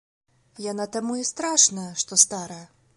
Яна таму і страшная, што старая.